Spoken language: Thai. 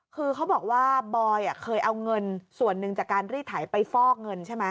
คือเขาบอกว่าบอยเคยเอาเงินส่วนหนึ่งจากการรีดไถไปฟอกเงินใช่ไหม